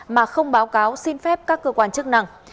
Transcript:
mà không báo cáo xin phép các cơ quan chức năng